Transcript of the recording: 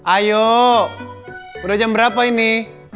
ayo udah jam berapa ini